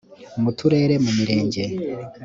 mu turere mu mirenge